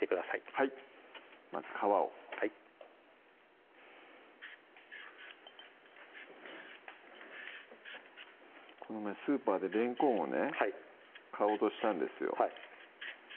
はいまず皮をはいこの前スーパーでれんこんをね買おうとしたんですよ